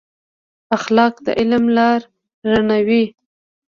اخلاق د علم لار رڼوي.